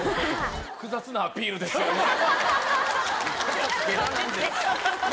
複雑なアピールですよね。